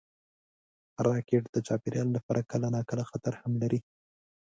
راکټ د چاپېریال لپاره کله ناکله خطر هم لري